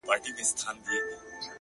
هغه په هره بده پېښه کي بدنام سي ربه!!